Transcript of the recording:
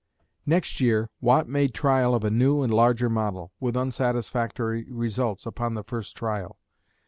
Next year Watt made trial of a new and larger model, with unsatisfactory results upon the first trial.